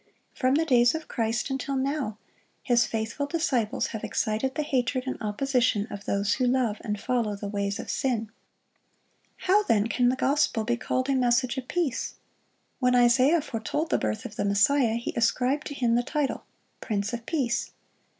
From the days of Christ until now, His faithful disciples have excited the hatred and opposition of those who love and follow the ways of sin. How, then, can the gospel be called a message of peace? When Isaiah foretold the birth of the Messiah, he ascribed to Him the title, "Prince of Peace."